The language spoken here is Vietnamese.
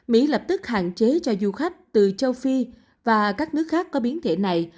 mỹ lập tức hạn chế cho du khách từ châu phi và các nước khác có biến thể này